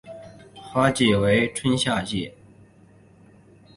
花期为春夏季。